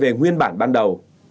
đưa xe về nguyên bản ban đầu